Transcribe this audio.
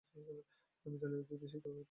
বিদ্যালয়টি দুইটি শিফটে বিভক্ত।